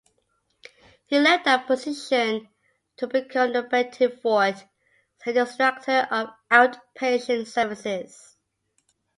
He left that position to become the Betty Ford Center's director of outpatient services.